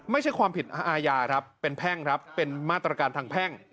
ไม่ใช่ความผิดอาญาครับเป็นแพ่งครับเป็นมาตรการทางแพ่ง